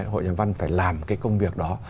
hội nhà văn phải làm cái công việc đó